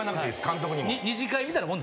監督にも。